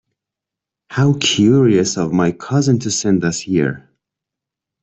How curious of my cousin to send us here!